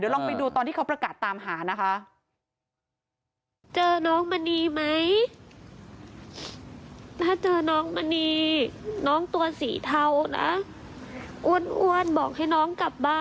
ลองไปดูตอนที่เขาประกาศตามหานะคะ